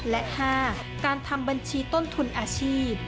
และ๕การทำบัญชีต้นทุนอาชีพ